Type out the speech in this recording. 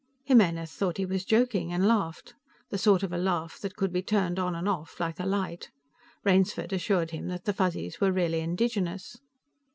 Jimenez thought he was joking, and laughed. The sort of a laugh that could be turned on and off, like a light. Rainsford assured him that the Fuzzies were really indigenous.